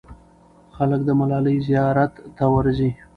خلک د ملالۍ زیارت ته ورځي.